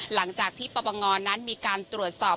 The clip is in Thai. หลังจากที่ปปงนั้นมีการตรวจสอบ